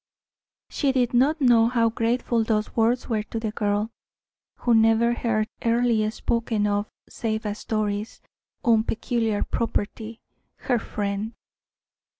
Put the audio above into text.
She did not know how grateful those words were to the girl, who never heard Earle spoken of save as Doris' own peculiar property. "Her friend!"